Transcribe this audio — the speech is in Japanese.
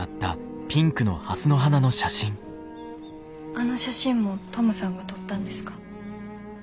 あの写真もトムさんが撮ったんですか？